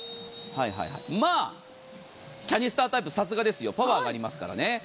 まあ、キャニスタータイプ、さすがですよ。パワーがありますからね。